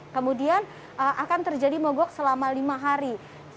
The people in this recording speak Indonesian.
kemudian akan terjadi mogok selama lima hari